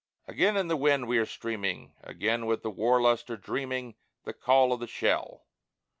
Again in the wind we are streaming, Again with the war lust are dreaming The call of the shell.